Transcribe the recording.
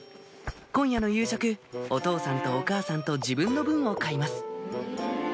今夜の夕食お父さんとお母さんと自分の分を買います